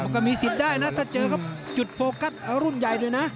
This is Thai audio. ก็มีสิทธิ์ได้นะถ้าเจอก็จุดโฟกัสรุ่นใหญ่ด้วยนะ